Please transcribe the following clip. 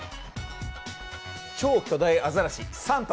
超巨大アザラシ３頭！